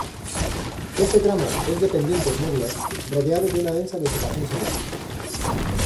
Este tramo es de pendientes medias, rodeado de una densa vegetación selvática.